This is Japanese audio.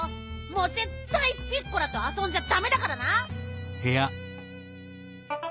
もうぜったいピッコラとあそんじゃダメだからな！